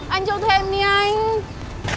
anh cho thêm đi anh